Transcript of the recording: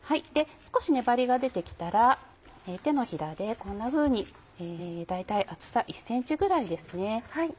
少し粘りが出て来たら手のひらでこんなふうに大体厚さ１ｃｍぐらいですね。